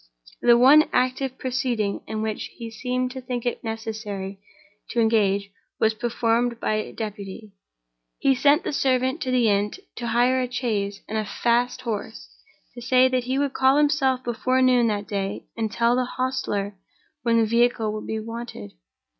The one active proceeding in which he seemed to think it necessary to engage was performed by deputy. He sent the servant to the inn to hire a chaise and a fast horse, and to say that he would call himself before noon that day and tell the hostler when the vehicle would be wanted.